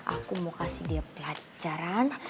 aku mau kasih dia pelajaran